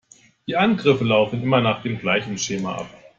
Die Angriffe laufen immer nach dem gleichen Schema ab.